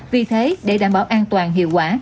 vì thế để đảm bảo an toàn hiệu quả